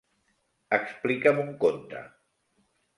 Explica'm un conte.